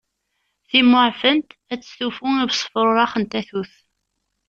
Timmuɛfent ad testufu i usefrurex n tatut.